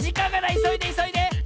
いそいでいそいで！